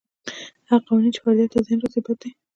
هغه قوانین چې فردیت ته زیان رسوي بد دي.